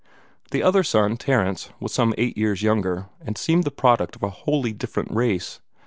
The other son, Terence, was some eight years younger, and seemed the product of a wholly different race.